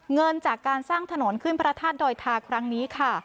เงินจากการสร้างถนนขึ้นพระธาตุดอยทาครั้งนี้ค่ะ